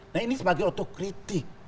nah ini sebagai otokritik